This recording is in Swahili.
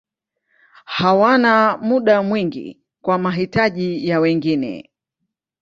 Hawana muda mwingi kwa mahitaji ya wengine.